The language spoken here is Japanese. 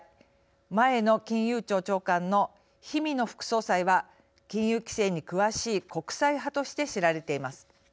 前の金融庁長官の氷見野副総裁は金融規制に詳しい国際派として知られています。